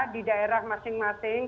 di daerah masing masing